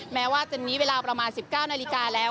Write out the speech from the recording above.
แม้ว่าเจนนี้เวลาประมาณ๑๙นาฬิกาแล้ว